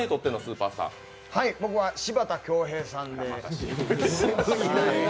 僕は柴田恭兵さんで。